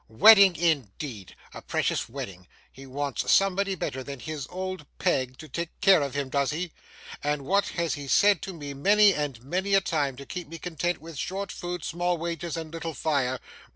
'Wedding indeed! A precious wedding! He wants somebody better than his old Peg to take care of him, does he? And what has he said to me, many and many a time, to keep me content with short food, small wages, and little fire?